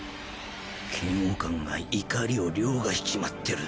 嫌悪感が怒りを凌駕しちまってる！